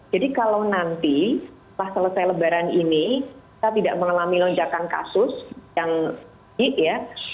jadi kalau nanti setelah selesai lebaran ini kita tidak mengalami lonjakan kasus yang sedikit ya